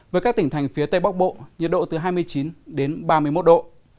với các tỉnh thành phía tây bắc bộ nhiệt độ từ hai mươi chín đến ba mươi một độ